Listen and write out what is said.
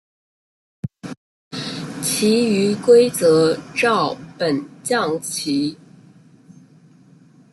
其余规则照本将棋。